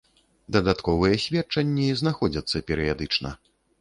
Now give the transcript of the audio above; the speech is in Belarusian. Дадатковыя сведчанні знаходзяцца перыядычна.